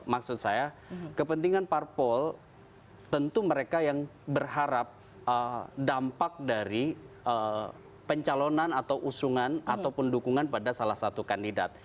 maksud saya kepentingan parpol tentu mereka yang berharap dampak dari pencalonan atau usungan ataupun dukungan pada salah satu kandidat